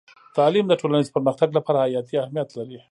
تعلیم د ټولنیز پرمختګ لپاره حیاتي اهمیت لري.